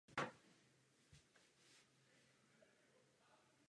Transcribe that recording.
Kromě toho bylo postaveno velitelské stanoviště a vybudována úzkorozchodná železnice.